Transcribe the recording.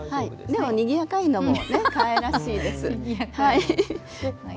にぎやかなのもかわいらしいです。